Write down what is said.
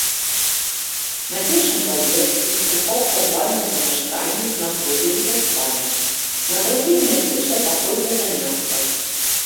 На першым паверсе ў паўпадвальным памяшканні знаходзіліся спальні, на другім месціўся пакой для заняткаў.